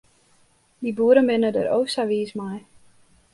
Dy boeren binne der o sa wiis mei.